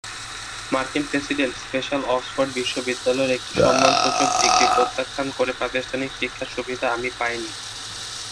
মার্কিন president special Oxford বিশ্ববিদ্যালয়ের একটি সম্মানসূচক ডিগ্রি প্রত্যাখ্যান করে—প্রাতিষ্ঠানিক শিক্ষার সুবিধা আমি পাইনি।